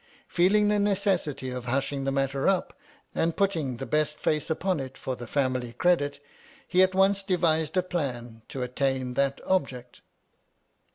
Feeling the ne cessity of hushing the matter up, and putting the best face upon it for the family credit, he at once devised a plan to attain that object.